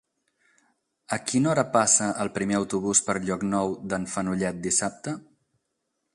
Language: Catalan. A quina hora passa el primer autobús per Llocnou d'en Fenollet dissabte?